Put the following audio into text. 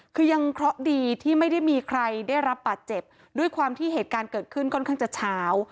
คือยังเคราะห์ดีที่ไม่ได้มีใครได้รับบาดเจ็บด้วยความที่เหตุการณ์เกิดขึ้นค่อนข้างจะเช้า